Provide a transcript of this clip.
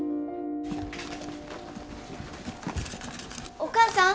お母さん。